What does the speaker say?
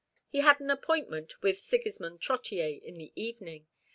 He had an appointment with Sigismond Trottier in the evening.